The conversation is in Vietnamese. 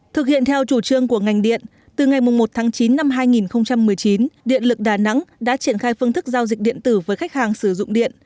thực hiện theo chủ trương của ngành điện từ ngày một tháng chín năm hai nghìn một mươi chín điện lực đà nẵng đã triển khai phương thức giao dịch điện tử với khách hàng sử dụng điện